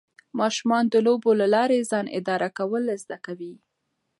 ماشومان د لوبو له لارې ځان اداره کول زده کوي.